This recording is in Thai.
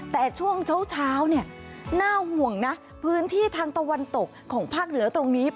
แต่ช่วงเช้าเนี่ยน่าห่วงนะพื้นที่ทางตะวันตกของภาคเหนือตรงนี้